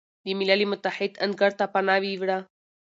د ملل متحد انګړ ته پناه ویوړه،